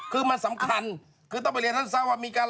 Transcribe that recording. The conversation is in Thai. คือมันสำคัญคือต้องไปเรียนท่านทราบว่ามีการ